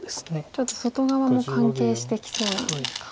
ちょっと外側も関係してきそうなんですか。